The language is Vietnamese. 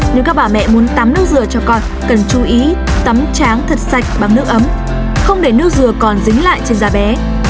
nếu các bà mẹ muốn tắm nước dừa cho con cần chú ý tắm trắng thật sạch bằng nước ấm không để nước dừa còn dính lại trên da bé